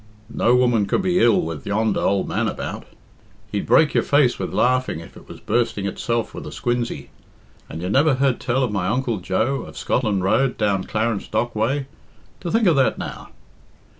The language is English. No woman could be ill with yonder ould man about. He'd break your face with laughing if it was bursting itself with a squinsey. And you never heard tell of my Uncle Joe, of Scotland Road, down Clarence Dock way? To think of that now!"